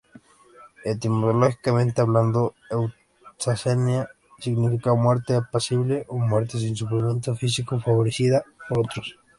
Etimológicamente hablando, eutanasia significa: muerte apacible o muerte sin sufrimiento físico, favorecida por otros.